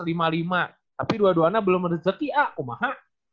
tapi dua duanya belum ada cerita a umaha